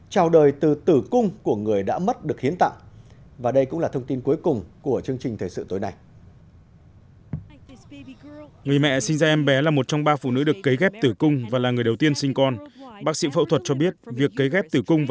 chào đời từ tử cung của người đã mất được hiến tặng